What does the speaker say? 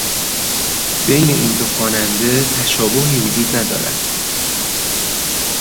بین این دو خواننده تشابهی وجود ندارد.